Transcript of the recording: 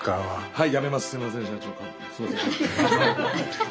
はい！